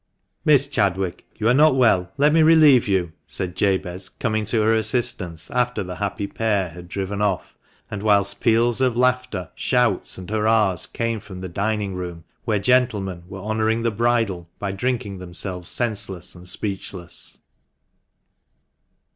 " Miss Chadwick, you are not well ; let me relieve you," said Jabez, coming to her assistance after the " happy pair " had driven off, and whilst peals of laughter, shouts, and hurrahs came from the dining room, where gentlemen were honouring the bridal by drinking themselves senseless and speechless.